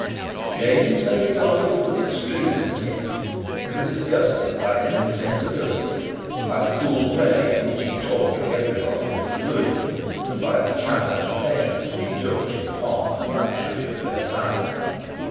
But James they regarded with extreme contempt. They were disgusted by his insensibility, by the cool way in which he talked to every body of his ruin, and by the childish pleasure which he took in the pomp and luxury of Versailles.